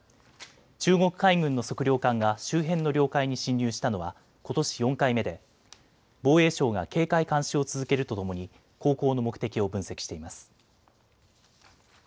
中国海軍の測量艦が周辺の領海に侵入したのはことし４回目で防衛省が警戒・監視を続けるとともに航行の目的を分析しています。